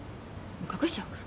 隠しちゃうから。